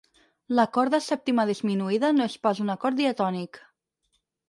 L'acord de sèptima disminuïda no és pas un acord diatònic.